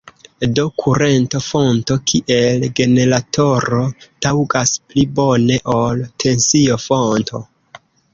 Do kurento-fonto kiel generatoro taŭgas pli bone ol tensio-fonto.